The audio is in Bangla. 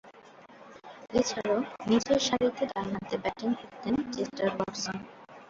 এছাড়াও, নিচেরসারিতে ডানহাতে ব্যাটিং করতেন চেস্টার ওয়াটসন।